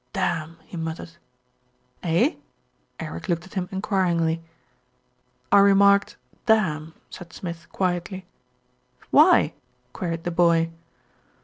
"Damn!" he muttered. "Eh?" Eric looked at him enquiringly. "I remarked 'damn,' " said Smith quietly. "Why?" queried the boy.